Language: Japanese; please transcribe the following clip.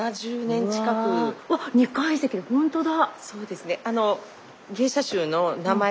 うわうわっ２階席だほんとだ。